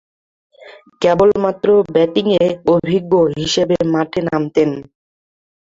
কেবলমাত্র ব্যাটিংয়ে অভিজ্ঞ হিসেবে মাঠে নামতেন।